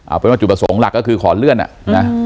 เอาเป็นว่าจุดประสงค์หลักก็คือขอเลื่อนอ่ะนะ